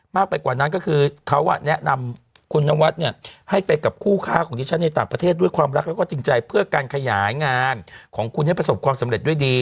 ไปกว่านั้นก็คือเขาแนะนำคุณนวัดเนี่ยให้ไปกับคู่ค่าของดิฉันในต่างประเทศด้วยความรักแล้วก็จริงใจเพื่อการขยายงานของคุณให้ประสบความสำเร็จด้วยดี